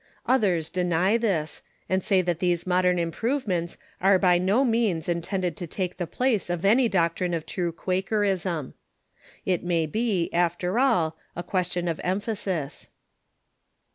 Others deny this, and say that these modern improvements are by no means intended to take the place of any doctrine of true Quakerism. It may be, after all, a question of emphasis.